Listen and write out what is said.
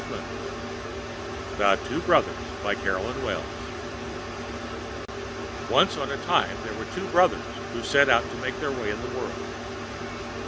[Pg 281] THE TWO BROTHERS BY CAROLYN WELLS Once on a Time there were Two Brothers who Set Out to make their Way In The World.